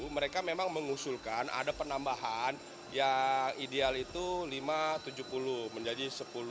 mereka memang mengusulkan ada penambahan yang ideal itu lima ratus tujuh puluh menjadi sepuluh